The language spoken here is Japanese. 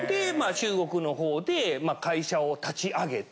中国のほうで会社を立ち上げて。